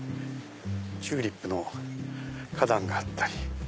チューリップの花壇があったり。